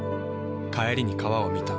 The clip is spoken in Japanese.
帰りに川を見た。